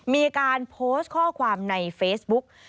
มีการโพสต์ข้อความในเฟซบุ๊ก